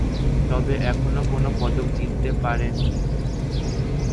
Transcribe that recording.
তবে এখনো কোন পদক জিততে পারেনি।